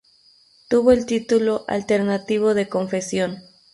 Tuvo el título alternativo de "Confesión".